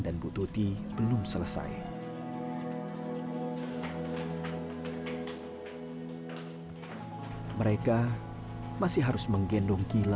omennya tuh pete tak bisa ber rounds makbooks posisi sama seria